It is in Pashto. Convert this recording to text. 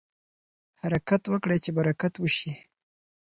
حرکت وکړئ چې برکت وشي.